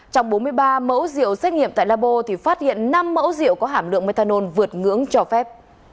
trong bốn mươi ba mẫu rượu xét nghiệm tại labo thì phát hiện năm mẫu rượu có hàm lượng methanol vượt ngưỡng cho phép